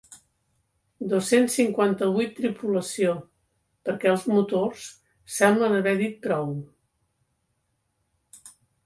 Dos-cents cinquanta-vuit tripulació, perquè els motors semblen haver dit prou.